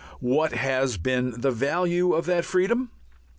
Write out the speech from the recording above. What has been the value of that freedom?